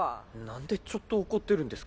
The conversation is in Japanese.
何でちょっと怒ってるんですか？